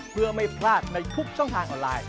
เพื่อไม่พลาดในทุกช่องทางออนไลน์